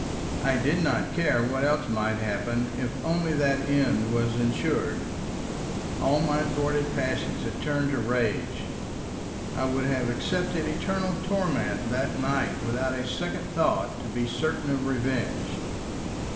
I did not care what else might happen, if only that end was ensured. All my thwarted passions had turned to rage. I would have accepted eternal torment that night without a second thought, to be certain of revenge.